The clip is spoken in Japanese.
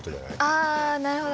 あなるほど。